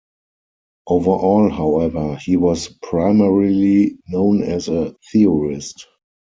Overall, however, he was primarily known as a theorist.